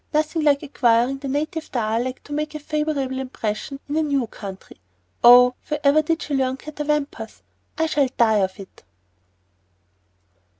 Nothing like acquiring the native dialect to make a favorable impression in a new country. Oh, wherever did she learn 'catawampus'? I shall die of it."